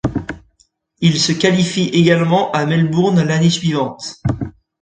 Il se qualifie également à Melbourne l'année suivante.